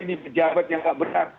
ini pejabatnya tidak benar